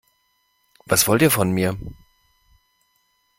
Was wollt ihr von mir?